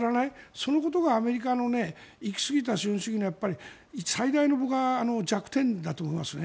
そのことがアメリカの行きすぎた資本主義の僕は最大の弱点だと思いますね。